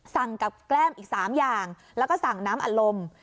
สั่งกับแก้มอีก๓อย่างแล้วก็สั่งน้ำอารมณ์